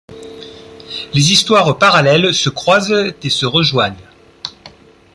Les histoires parallèles se croisent et se rejoignent.